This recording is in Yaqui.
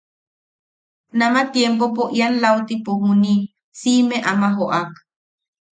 Nama tiempopo ian lautipo juni siʼime ama joʼak.